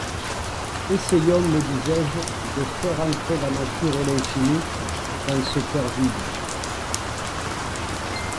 Essayons, me disais-je, de faire entrer la nature et l'infini dans ce coeur vide.